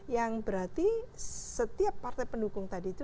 yang berarti setiap partai pendukung tadi itu